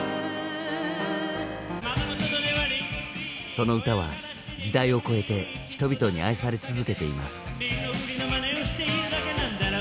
その「歌」は時代を超えて人々に愛され続けています。